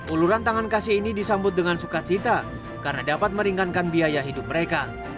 uluran tangan kasih ini disambut dengan sukacita karena dapat meringankan biaya hidup mereka